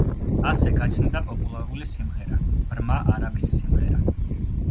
ასე გაჩნდა პოპულარული სიმღერა „ბრმა არაბის სიმღერა“.